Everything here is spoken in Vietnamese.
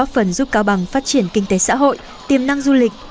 phần giúp cao bằng phát triển kinh tế xã hội tiềm năng du lịch